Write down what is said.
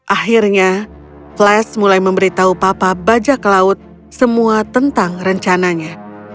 akhirnya flash mulai memberitahu papa bajak laut semua tentang rencananya